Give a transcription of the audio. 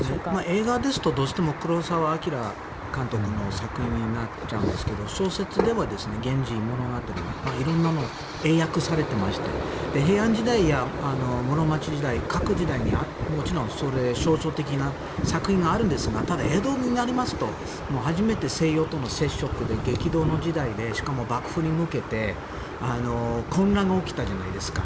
映画ですとどうしても黒澤明監督の作品になっちゃうんですけど小説では「源氏物語」などの色んな英訳されていまして平安時代や室町時代各時代にもちろん象徴的な作品があるんですがただ、江戸になりますと初めて西洋との接触で激動の時代でしかも幕府に向けて混乱が起きたじゃないですか。